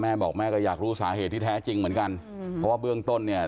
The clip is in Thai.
แม่บอกแม่ก็อยากรู้สาเหตุที่แท้จริงเหมือนกันอืมเพราะว่าเบื้องต้นเนี่ย